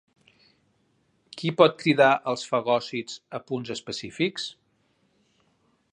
Qui pot cridar als fagòcits a punts específics?